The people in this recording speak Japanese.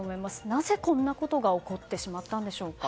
なぜこんなことが起こってしまったんでしょうか。